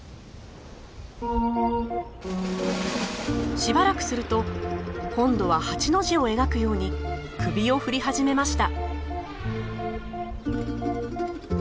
しばらくすると今度は８の字を描くように首を振り始めました。